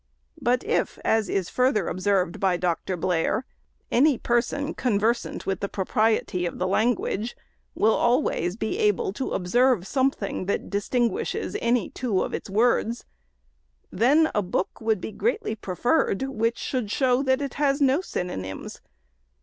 But if, as is further observed by Dr. Blair, any person, " conversant with the propriety of the language, will always be able to observe something that distinguishes any two of its words," then a book would be greatly to be preferred which should show that it has no synouymes.